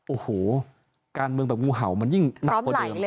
โอ้โหการเมืองแบบงูเห่ามันยิ่งหนักกว่าเดิม